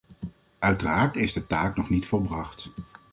Uiteraard is de taak nog niet volbracht.